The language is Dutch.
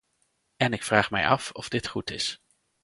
En ik vraag mij af of dit goed is.